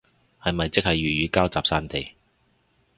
係咪即係粵語膠集散地